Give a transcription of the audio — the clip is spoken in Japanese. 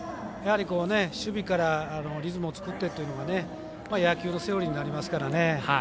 守備からリズムを作ってというのが野球のセオリーになりますからね。